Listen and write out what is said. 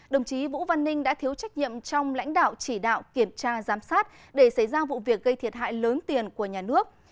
đồng chí vũ văn ninh đã thiếu trách nhiệm trong lãnh đạo chỉ đạo kiểm tra giám sát để xảy ra vụ việc gây thiệt hại lớn tiền của nhà nước